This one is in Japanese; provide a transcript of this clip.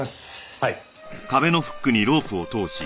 はい。